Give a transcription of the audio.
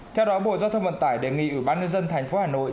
theo đó bộ giao thông bộ tải đề nghị ủy ban nhân dân thành phố hà nội